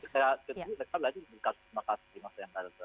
saya kira mereka belajar dari lima kasus di masa yang datang